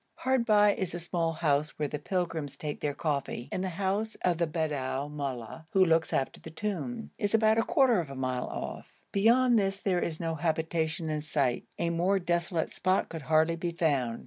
Hard by is a small house where the pilgrims take their coffee, and the house of the Bedou mollah, who looks after the tomb, is about a quarter of a mile off. Beyond this there is no habitation in sight. A more desolate spot could hardly be found.